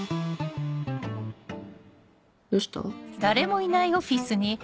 どうした？